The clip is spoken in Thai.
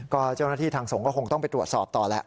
ก็เจ้าหน้าที่ทางสงฆ์ก็คงต้องไปตรวจสอบต่อแหละ